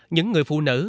những người phụ nữ